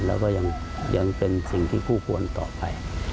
แล้วก็ยังเป็นสิ่งที่คู่ควรต่อไป